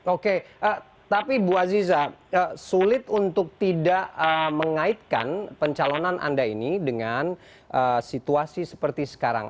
oke tapi bu aziza sulit untuk tidak mengaitkan pencalonan anda ini dengan situasi seperti sekarang